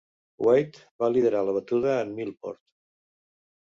Wight va liderar la batuda en Millport.